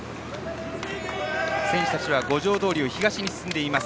選手たちは五条通を東に進んでいます。